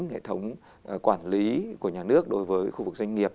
hệ thống quản lý của nhà nước đối với khu vực doanh nghiệp